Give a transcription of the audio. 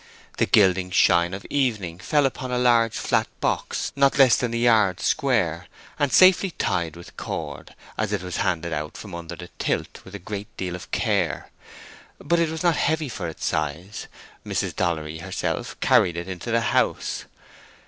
The gilding shine of evening fell upon a large, flat box not less than a yard square, and safely tied with cord, as it was handed out from under the tilt with a great deal of care. But it was not heavy for its size; Mrs. Dollery herself carried it into the house.